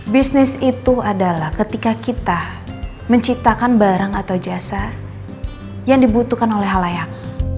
bisnis itu adalah ketika kita menciptakan barang atau jasa yang dibutuhkan oleh halayak